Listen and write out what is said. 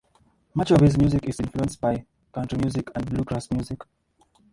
Much of his music is influenced by country music and bluegrass music.